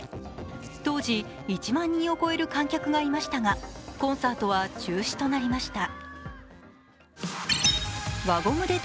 当時１万人を超える観客がいましたがコンサートは中止となりました。